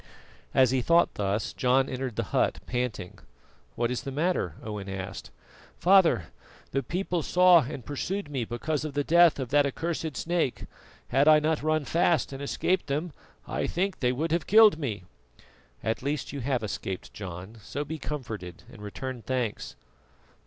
As he thought thus John entered the hut, panting. "What is the matter?" Owen asked. "Father, the people saw and pursued me because of the death of that accursed snake. Had I not run fast and escaped them, I think they would have killed me." "At least you have escaped, John; so be comforted and return thanks."